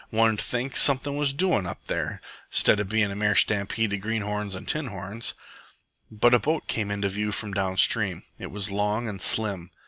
"One'd think something was doin' up there, 'stead of bein' a mere stampede of greenhorns an' tinhorns." But a boat came into view from downstream. It was long and slim.